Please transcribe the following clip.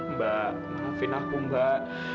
mbak maafin aku mbak